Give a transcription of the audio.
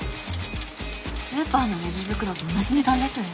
スーパーのレジ袋と同じ値段ですね。